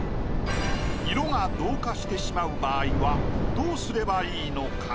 色が同化してしまう場合はどうすればいいのか？